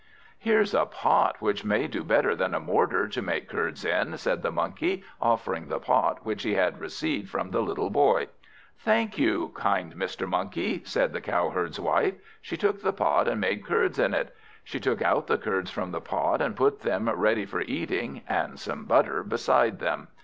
"Here's a pot which will do better than a mortar to make curds in," said the Monkey, offering the pot which he had received from the little Boy. "Thank you, kind Mr. Monkey," said the Cowherd's wife. She took the pot and made curds in it. She took out the curds from the pot, and put them ready for eating, and some butter beside them.